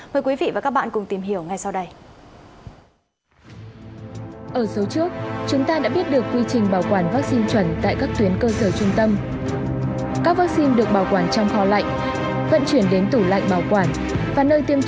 mời quý vị và các bạn cùng tìm hiểu ngay sau đây